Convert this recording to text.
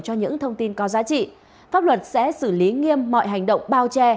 cho những thông tin có giá trị pháp luật sẽ xử lý nghiêm mọi hành động bao che